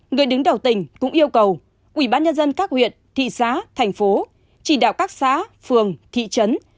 người đứng đầu tỉnh cũng yêu cầu ủy ban nhân dân các huyện thị xã thành phố chỉ đạo các xã phường thị trấn